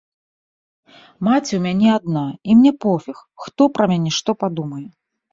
Маці ў мяне адна, і мне пофіг, хто пра мяне што падумае.